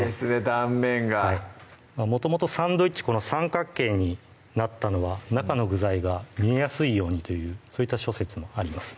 断面がもともとサンドイッチこの三角形になったのは中の具材が見えやすいようにというそういった諸説もあります